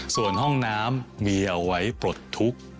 ส่วนห้องน้ำมีเอาไว้ปลดทุกข์